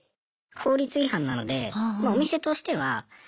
法律違反なのでお店としては。